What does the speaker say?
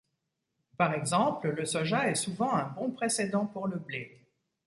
Par exemple, le soja est souvent un bon précédent pour le blé.